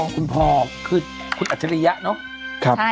คุณพอคือคุณอัจฉริยะเนาะ